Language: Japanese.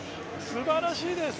すばらしいです！